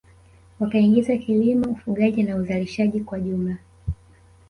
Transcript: Wakaingiza kilimo ufugaji na uzalishaji kwa jumla